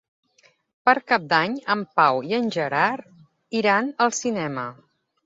Per Cap d'Any en Pau i en Gerard iran al cinema.